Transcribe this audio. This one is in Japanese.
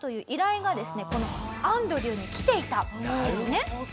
このアンドリューに来ていたんですね。